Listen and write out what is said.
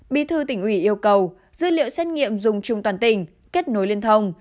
bí thư tỉnh ủy yêu cầu dữ liệu xét nghiệm dùng chung toàn tỉnh kết nối liên thông